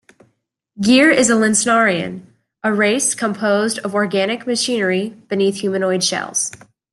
Gear is a Linsnarian, a race composed of organic machinery beneath humanoid shells.